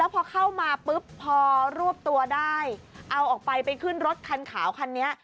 พอเข้ามาปุ๊บพอรวบตัวได้เอาออกไปไปขึ้นรถคันขาวคันนี้